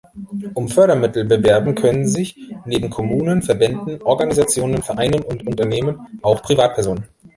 Um Fördermittel bewerben können sich neben Kommunen, Verbänden, Organisationen, Vereinen und Unternehmen auch Privatpersonen.